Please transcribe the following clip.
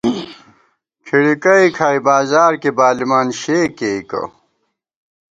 کھِڑِکَئ کھائی بازار کی بالِمان شےکېئیکہ